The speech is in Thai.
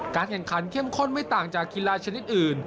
แข่งขันเข้มข้นไม่ต่างจากกีฬาชนิดอื่น